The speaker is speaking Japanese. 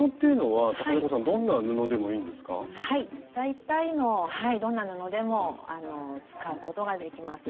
はい大体のはいどんな布でも使うことができます。